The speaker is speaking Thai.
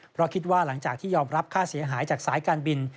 เพราะคิดว่าหลังจากที่ยอมรับค่าเสียหายจากสายการบิน